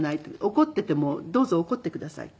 怒っててもどうぞ怒ってくださいって。